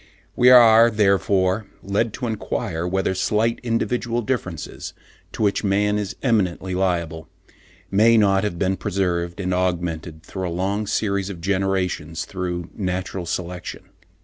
We are therefore led to enquire whether slight individual differences, to which man is eminently liable, may not have been preserved and augmented during a long series of generations through natural selection.